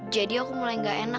jadi aku mulai gak enak